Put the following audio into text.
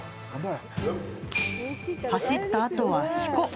走ったあとはしこ。